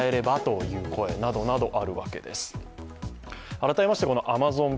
改めましてアマゾン